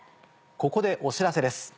ここでお知らせです。